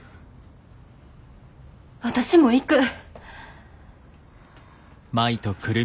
私も行く。